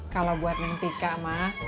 kalau buat neng tika mak